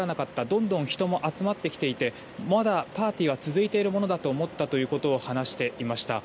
どんどん人も集まってきていてまだパーティーは続いているものだと思ったということを話していました。